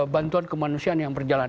bantuan kemanusiaan yang berjalan